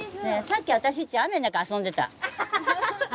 さっき私たち雨の中遊んでた。